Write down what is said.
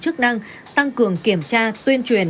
chức năng tăng cường kiểm tra tuyên truyền